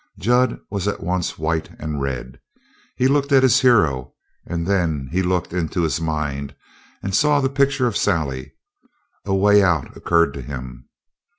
Jud was at once white and red. He looked at his hero, and then he looked into his mind and saw the picture of Sally. A way out occurred to him.